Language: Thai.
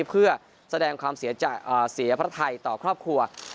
เพื่อแสดงความเสียพระไทยต่อครอบครัว